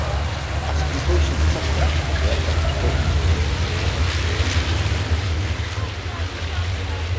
After completion of the test phase, the aircraft was put into production.